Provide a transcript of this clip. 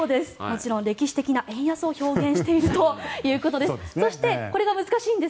歴史的な円安を表現しているということです。